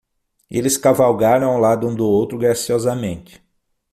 Eles cavalgaram ao lado um do outro graciosamente.